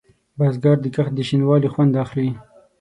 بزګر د کښت د شین والي خوند اخلي